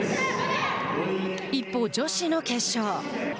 一方、女子の決勝。